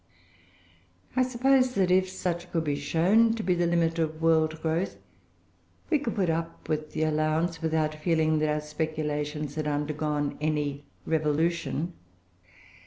I suppose that if such could be shown to be the limit of world growth, we could put up with the allowance without feeling that our speculations had undergone any revolution.